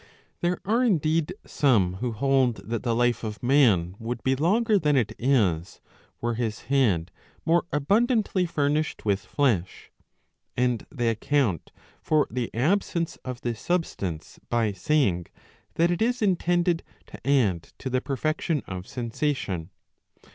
There are, indeed, some ^ who hold that the life of man would be longer than it is, were his head more abundantly 656 a. 44 ii 10. furnished with flesh ; and they account for the absence of this substance by saying that it is intended to add to the perfection of sensation.